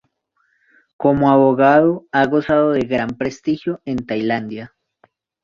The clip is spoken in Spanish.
Como abogado, ha gozado de gran prestigio en Tailandia.